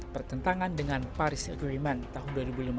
bertentangan dengan paris agreement tahun dua ribu lima belas